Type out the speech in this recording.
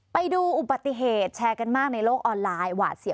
ไปดูอุบัติเหตุแชร์กันมากในโลกออนไลน์หวาดเสีย